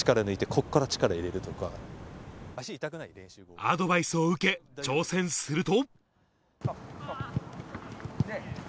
アドバイスを受け挑戦すると。